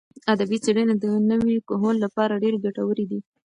ادبي څېړنې د نوي کهول لپاره ډېرې ګټورې دي.